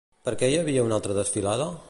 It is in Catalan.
Per què hi havia una desfilada?